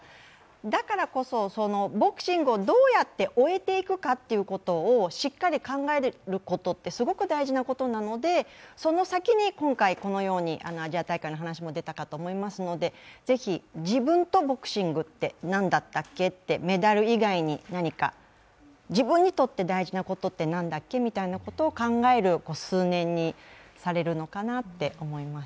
だからこそボクシングをどうやって終えていくかということをしっかり考えることはすごく大事なことなのでその先に今回、このようにアジア大会の話も出たかと思いますのでぜひ自分とボクシングって何だったっけって、メダル以外に何か自分にとって大事なことって何だっけみたいなことを考える数年にされるのかなって思います。